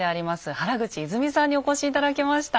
原口泉さんにお越し頂きました。